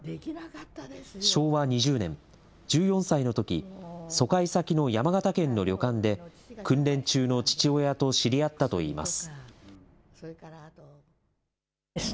昭和２０年、１４歳のとき、疎開先の山形県の旅館で、訓練中の父親と知り合ったといいます。